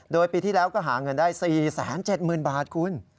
โดยปีที่แล้วก็หาเงินได้๔๗๐๐๐บาทคุณ